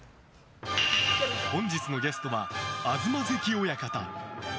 本日のゲストは東関親方！